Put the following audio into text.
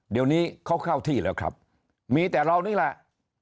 เดี๋ยวนี้เขาเข้าที่แล้วครับมีแต่เรานี่แหละ